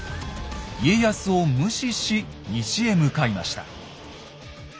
家康を無視し西へ向かいました。